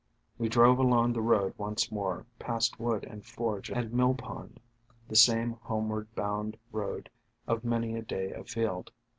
We drove along the road once more, past wood and forge and mill pond, — the same homeward bound road of many a day afield.